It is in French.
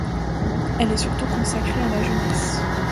Elle est surtout consacrée à la jeunesse.